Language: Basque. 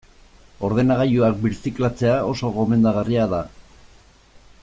Ordenagailuak birziklatzea oso gomendagarria da.